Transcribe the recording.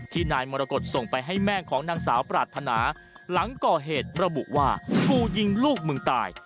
นายมรกฏส่งไปให้แม่ของนางสาวปรารถนาหลังก่อเหตุระบุว่ากูยิงลูกมึงตาย